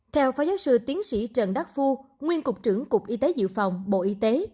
theo phó giáo sư tiến sĩ trần đắc phu nguyên cục trưởng cục y tế dự phòng bộ y tế